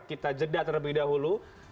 kita jeda terlebih dahulu